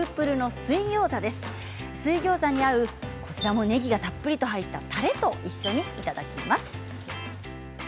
水ギョーザに合うねぎがたっぷりと入ったたれと一緒にいただきます。